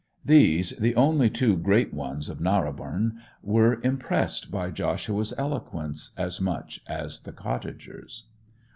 These, the only two great ones of Narrobourne, were impressed by Joshua's eloquence as much as the cottagers.